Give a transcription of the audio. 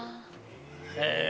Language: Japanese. へえ。